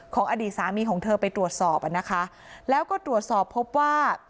อดีตสามีของเธอไปตรวจสอบอ่ะนะคะแล้วก็ตรวจสอบพบว่า